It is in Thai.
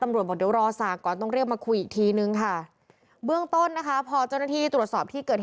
ไม่จะจักรชาปืนออก